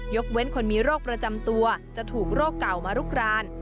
เว้นคนมีโรคประจำตัวจะถูกโรคเก่ามาลุกราน